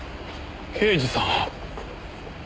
刑事さん！